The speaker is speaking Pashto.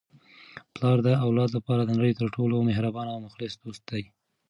پلار د اولاد لپاره د نړۍ تر ټولو مهربانه او مخلص دوست دی.